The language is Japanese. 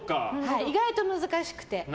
意外と難しくて。